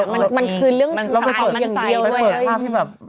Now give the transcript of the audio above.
มันคือเรื่องอายที่กลางด้วย